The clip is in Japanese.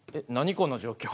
この状況。